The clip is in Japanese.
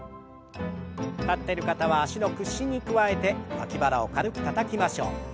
立ってる方は脚の屈伸に加えて脇腹を軽くたたきましょう。